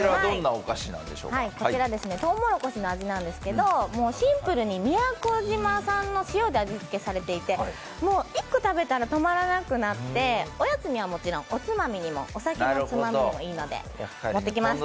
こちら、トウモロコシの味なんですけどシンプルに宮古島産の塩で味付けされていてもう１個食べたら止まらなくなっておやつにはもちろんお酒のおつまみにもいいので持ってきました。